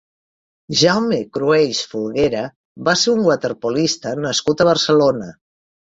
Jaume Cruells Folguera va ser un waterpolista nascut a Barcelona.